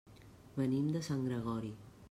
Venim de Sant Gregori.